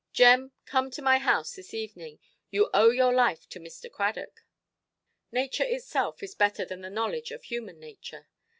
Jem, come to my house this evening. You owe your life to Mr. Cradock". Nature itself is better than the knowledge of human nature.